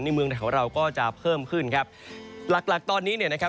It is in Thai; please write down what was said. เมืองไทยของเราก็จะเพิ่มขึ้นครับหลักหลักตอนนี้เนี่ยนะครับ